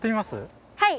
はい！